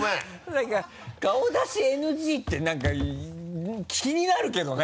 なんか顔出しＮＧってなんか気になるけどね。